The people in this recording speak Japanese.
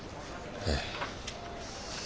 ええ。